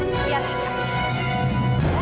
kenapa menangis kak